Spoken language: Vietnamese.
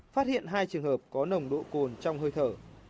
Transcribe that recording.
phát hiện hai trường hợp có nồng độ cồn trong hơi thở